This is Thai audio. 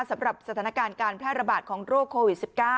สำหรับสถานการณ์การแพร่ระบาดของโรคโควิด๑๙